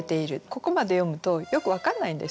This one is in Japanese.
ここまで読むとよく分かんないんですよね。